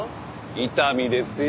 伊丹ですよ。